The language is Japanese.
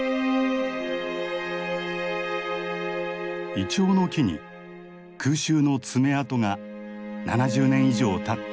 イチョウの木に空襲の爪痕が７０年以上たった